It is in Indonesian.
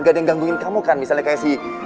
gak ada yang gangguin kamu kan misalnya kayak si